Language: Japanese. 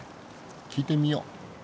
聞いてみよう。